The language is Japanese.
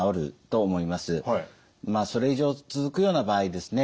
それ以上続くような場合ですね